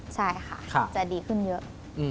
ใช่ค่ะจะดีขึ้นเยอะ